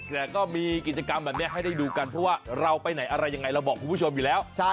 แต่ก็มีกิจกรรมแบบนี้ให้ได้ดูกันเพราะว่าเราไปไหนอะไรยังไงเราบอกคุณผู้ชมอยู่แล้ว